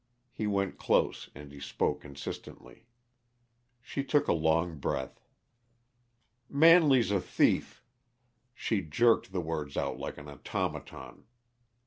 He went close, and he spoke insistently. She took a long breath. "Manley's a thief!" She jerked the words out like as automaton.